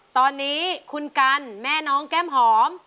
ตอนนี้คุณกันแม่น้องแก้มหอม